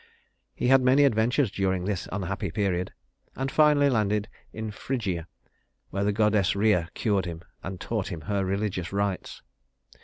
He had many adventures during this unhappy period, and finally landed in Phrygia, where the goddess Rhea cured him and taught him her religious rites.